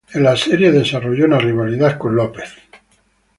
En las series, desarrolló una rivalidad con King.